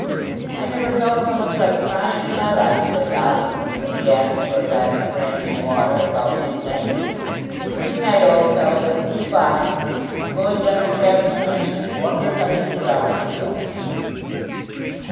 "I never felt so much like crying in my life," said Dolly, as he asked for a glass of brandy and water at about midnight. "Good night, old fellows; good bye. I'm going down to Caversham, and I shouldn't wonder if I didn't drown myself."